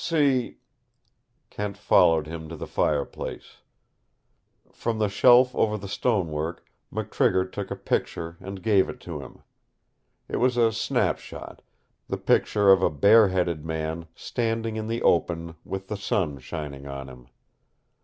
See " Kent followed him to the fireplace. From the shelf over the stonework McTrigger took a picture and gave it to him. It was a snapshot, the picture of a bare headed man standing in the open with the sun shining on him.